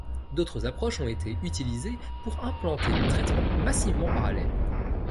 Différentes approches ont été utilisées pour implanter le traitement massivement parallèle.